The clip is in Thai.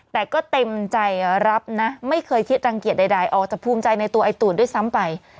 แต่ก็เต็มใจรับนะไม่เคยคิดรังเกียจใดออกแต่ภูมิใจในตัวไอ้ตูนด้วยซ้ำไป